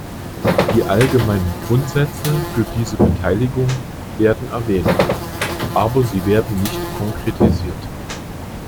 Die allgemeinen Grundsätze für diese Beteiligung werden erwähnt, aber sie werden nicht konkretisiert.